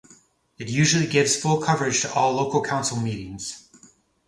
It usually gives full coverage to all local council meetings.